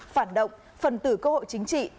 phản động phần tử cơ hội chính trị